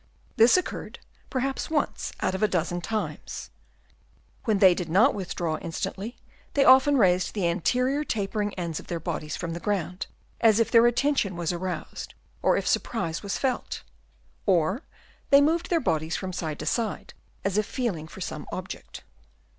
This occurred perhaps once out of a dozen times. When they did not withdraw instantly, they often raised the anterior tapering ends of their bodies from the ground, as if their attention was aroused or as if surprise was felt ; or they moved their bodies from side to side as if feeling for some object.